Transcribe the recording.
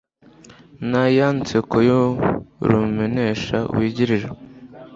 naya nseko y'urumenesha wigirira